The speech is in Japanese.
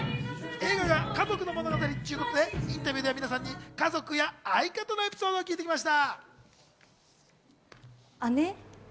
映画が家族の物語ということで、インタビューでは皆さんに家族や相方のエピソードを聞いてきました。